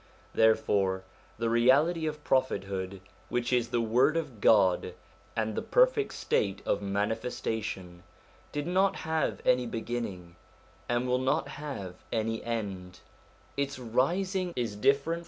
Therefore the reality of prophethood, which is the Word of God and the perfect state of manifestation, did not have any beginning, and will not have any end ; its rising is different from all i *.